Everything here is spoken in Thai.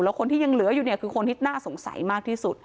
แล้วคนที่ยังเหลืออยู่เนี่ยคือคนที่น่าสงสัยมากที่สุด